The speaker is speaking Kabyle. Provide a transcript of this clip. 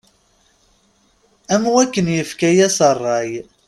Am wakken yefka-as rray.